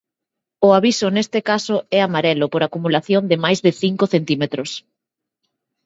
O aviso neste caso é amarelo por acumulación de máis de cinco centímetros.